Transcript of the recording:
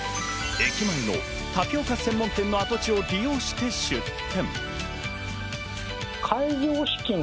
駅前のタピオカ専門店の跡地を利用して出店。